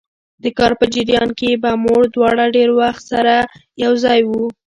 د کار په جریان کې به موږ دواړه ډېر وخت سره یو ځای وو.